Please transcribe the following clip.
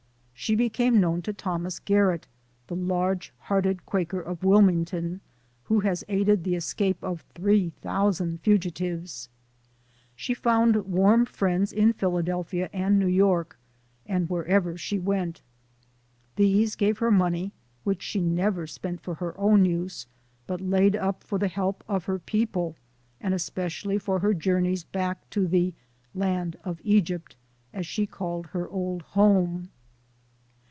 She became known to Thomas Garrett, the large hearted Quaker of Wilmington, who has aided the escape of three thousand fugitives ; she found warm friends in Philadelphia and New York, and wherever she went. These gave her money, which she never spent for her own use", but laid up for the help of her people, and especially for her journeys back to the ' land of Egypt,' as she called her old home.